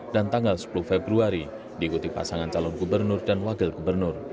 dan tanggal sepuluh februari diikuti pasangan calon gubernur dan wakil gubernur